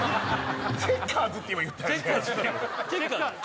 チェッカーズって今言ったよね？